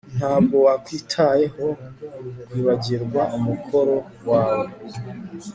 Ntabwo wakwitayeho kwibagirwa umukoro wawe